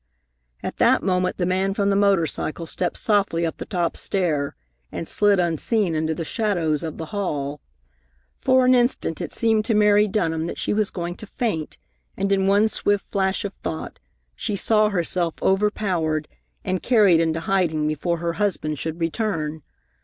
At that moment the man from the motor cycle stepped softly up the top stair and slid unseen into the shadows of the hall. For an instant it seemed to Mary Dunham that she was going to faint, and in one swift flash of thought she saw herself overpowered and carried into hiding before her husband should return.